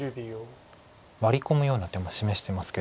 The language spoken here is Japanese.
ワリ込むような手も示してますけど。